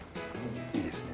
いいですね。